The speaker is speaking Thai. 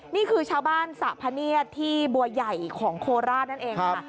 นี่คือชาวบ้านสะพะเนียดที่บัวใหญ่ของโคราชนั่นเองค่ะ